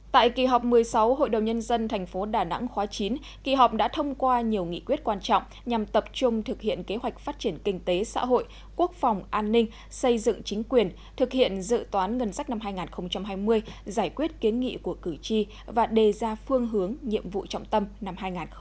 tại kỳ họp một mươi sáu hội đồng nhân dân tp đà nẵng khóa chín kỳ họp đã thông qua nhiều nghị quyết quan trọng nhằm tập trung thực hiện kế hoạch phát triển kinh tế xã hội quốc phòng an ninh xây dựng chính quyền thực hiện dự toán ngân sách năm hai nghìn hai mươi giải quyết kiến nghị của cử tri và đề ra phương hướng nhiệm vụ trọng tâm năm hai nghìn hai mươi một